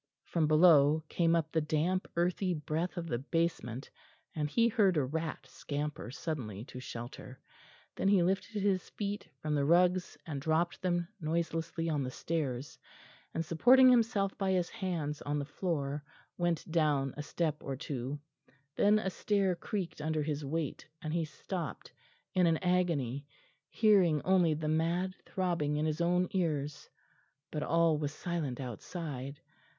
From below came up the damp earthy breath of the basement, and he heard a rat scamper suddenly to shelter. Then he lifted his feet from the rugs and dropped them noiselessly on the stairs, and supporting himself by his hands on the floor went down a step or two. Then a stair creaked under his weight; and he stopped in an agony, hearing only the mad throbbing in his own ears. But all was silent outside.